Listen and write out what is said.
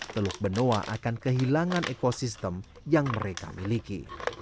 teluk benoa akan kehilangan ekosistem yang mereka miliki